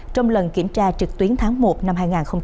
trong lần kiểm tra trực tuyến tháng một năm hai nghìn hai mươi